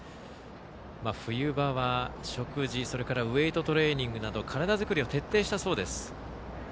冬場は食事ウエイトトレーニングなど体作りを徹底したそうです。